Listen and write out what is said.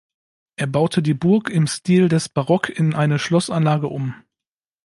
Er baute die Burg im Stil des Barock in eine Schlossanlage um.